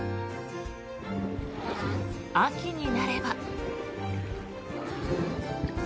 秋になれば。